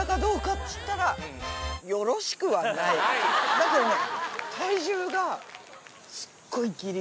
だけどね。